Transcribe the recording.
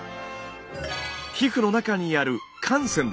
皮膚の中にある汗腺です。